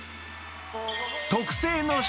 特製の塩